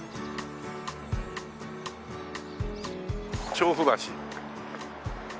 「調布橋」